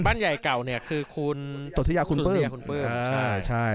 บ้านใหญ่เก่าเนี่ยคือคุณโตธิยาคุณเปิ้ล